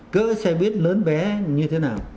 cỡ xe buýt lớn bé như thế nào